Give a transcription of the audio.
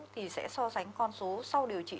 thì sẽ so sánh con số sau điều trị